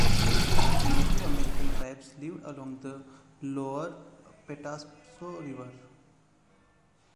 Native American tribes lived along the lower Patapsco river.